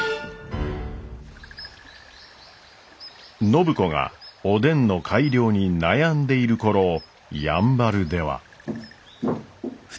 暢子がおでんの改良に悩んでいる頃やんばるでは。